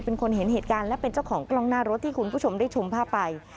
เป็นคนเห็นเหตุการณ์และเป็นเจ้าของกล้องหน้ารถที่คุณผู้ชมได้ชมภาพไป